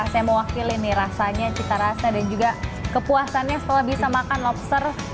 saya mewakili nih rasanya cita rasa dan juga kepuasannya setelah bisa makan lobster